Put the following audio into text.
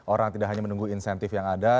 orang tidak hanya menunggu insentif yang ada